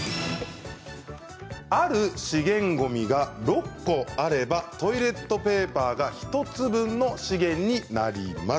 ある資源ごみが６個あればトイレットペーパー１つ分の資源になります。